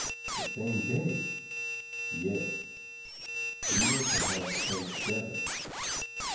"The same day?" "Yes. We were to have come together.